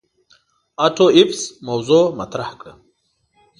آټو ایفز موضوغ مطرح کړه.